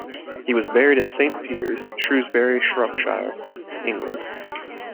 He was buried in Saint Peter's, Shrewsbury, Shropshire, England.